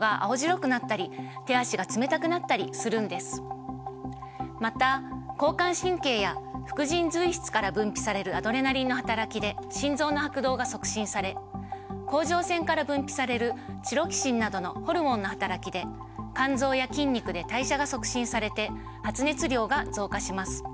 だからまた交感神経や副腎髄質から分泌されるアドレナリンのはたらきで心臓の拍動が促進され甲状腺から分泌されるチロキシンなどのホルモンのはたらきで肝臓や筋肉で代謝が促進されて発熱量が増加します。